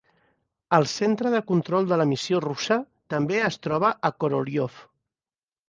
El centre de control de la missió russa també es troba a Korolyov.